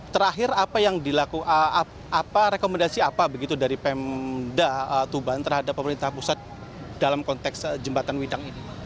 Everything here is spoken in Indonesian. terakhir apa yang dilakukan rekomendasi apa begitu dari pemda tuban terhadap pemerintah pusat dalam konteks jembatan widang ini